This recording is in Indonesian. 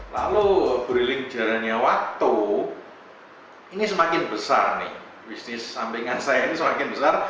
lalu beriling jalannya waktu ini semakin besar nih bisnis sampingan saya ini semakin besar